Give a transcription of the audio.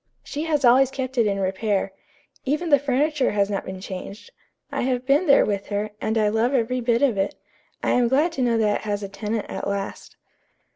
She has always kept it in repair. Even the furniture has not been changed. I have been there with her, and I love every bit of it. I am glad to know that it has a tenant at last."